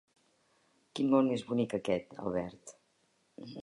Quin món més bonic aquest, Albert.